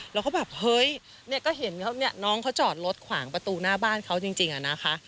แล้วก็แบบเฮ้ยเนี่ยก็เห็นน้องเขาจอดรถขวางประตูหน้าบ้านเขาจริงอะนะคะ